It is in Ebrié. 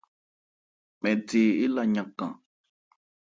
Mɛn the éla yankan.